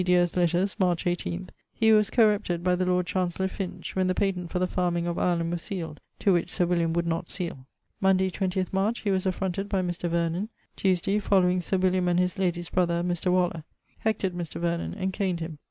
Deer's lettres), March 18, he was correpted by the Lord Chancellor Finch, when the patent for the farming of Ireland was sealed, to which Sir William would not seale. Monday, 20th March, he was affronted by Mr. Vernon: Tuesday following Sir William and his ladie's brother (Mr. Waller). Hectored Mr. Vernon and caned him.